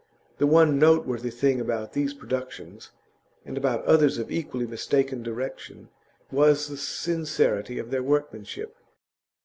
The one noteworthy thing about these productions, and about others of equally mistaken direction, was the sincerity of their workmanship.